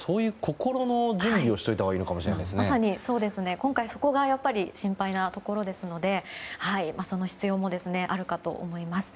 今回そこが心配ですのでその必要もあるかと思います。